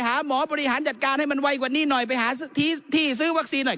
หาหมอบริหารจัดการให้มันไวกว่านี้หน่อยไปหาที่ซื้อวัคซีนหน่อย